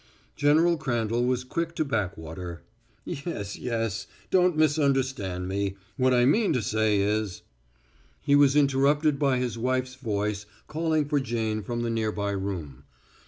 General Crandall was quick to back water: "Yes, yes! Don't misunderstand me. What I mean to say is " He was interrupted by his wife's voice calling for Jane from the near by room.